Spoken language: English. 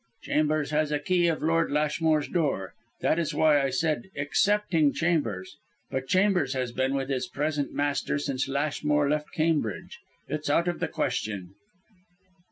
"Chambers has a key of Lord Lashmore's door. That is why I said 'excepting Chambers.' But Chambers has been with his present master since Lashmore left Cambridge. It's out of the question."